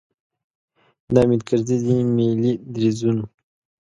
د حامد کرزي ځینې ملي دریځونو.